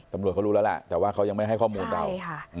ตำรวจเขารู้แล้วล่ะแต่ว่าเขายังไม่ให้ข้อมูลเรา